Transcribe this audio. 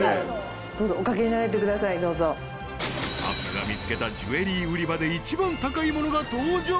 ［スタッフが見つけたジュエリー売り場で一番高いものが登場］